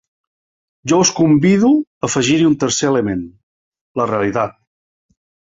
Jo us convido a afegir-hi un tercer element: la realitat.